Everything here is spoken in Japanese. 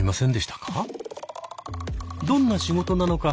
どんな仕事なのか